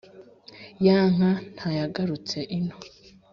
ya nka ntayagarutse ino